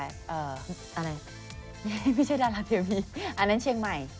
อันไหนไม่ใช่ดาราเทียมนี้อันนั้นเชียงใหม่